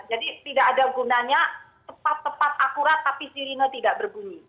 jadi tidak ada gunanya tepat tepat akurat tapi sirine tidak berbunyi